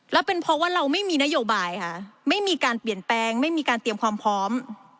แล้วเป็นเพราะว่าเราไม่มีนโยบายค่ะไม่มีการเปลี่ยนแปลงไม่มีการเตรียมความพร้อม